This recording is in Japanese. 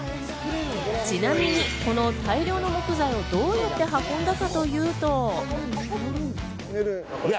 ちなみに、この大量の木材をどうやって運んだかというと。